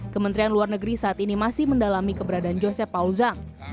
kementerian luar negeri saat ini masih mendalami keberadaan joseph paul zang